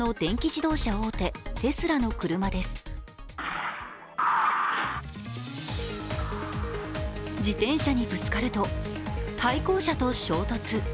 自転車にぶつかると対向車と衝突。